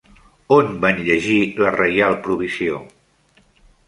On van llegir la reial provisió?